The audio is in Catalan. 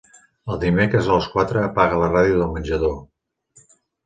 Els dimecres a les quatre apaga la ràdio del menjador.